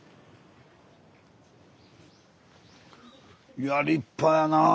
いや立派やな。